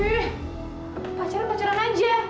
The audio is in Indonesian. ih pacaran pacaran aja